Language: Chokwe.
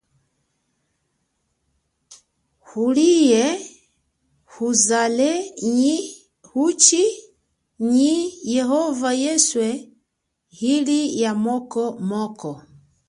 Ulie, uzale, nyi uchi nyi yehova yeswe ili ya moko moko.